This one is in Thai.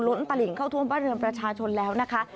ตลิงเข้าท่วมบ้านเรือนประชาชนแล้วนะคะ